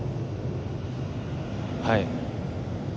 はい。